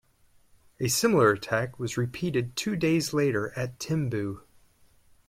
A similar attack was repeated two days later at Tembue.